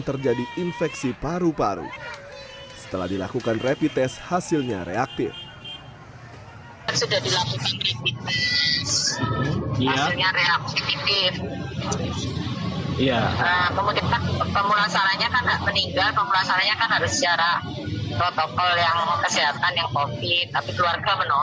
terjadi infeksi paru paru setelah dilakukan rapid test hasilnya reaktif sudah dilakukan